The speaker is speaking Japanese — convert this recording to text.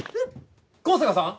香坂さん？